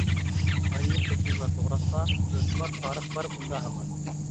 ئايلىنىپ كەتتى ئۇلار توغراققا، تىلسىمات تارىخ بار ئۇندا ھامان.